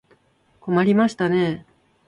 困りましたね。